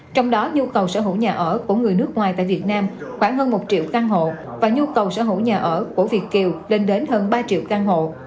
trong đó nhu cầu sở hữu nhà ở của người nước ngoài tại việt nam khoảng hơn một triệu căn hộ và nhu cầu sở hữu nhà ở của việt kiều lên đến hơn ba triệu căn hộ